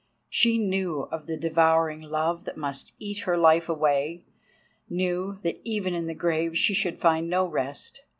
She knew of the devouring love that must eat her life away, knew that even in the grave she should find no rest.